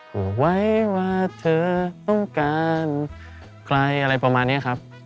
บอกไว้ว่าเธอต้องการใครอะไรประมาณนี้ครับ